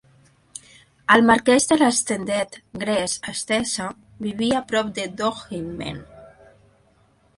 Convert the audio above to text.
El marquès de l'Extended Grace a estesa vivia prop de Dongzhimen.